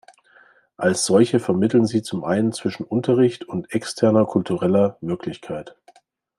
Als solche vermitteln sie zum einen zwischen Unterricht und externer kultureller Wirklichkeit.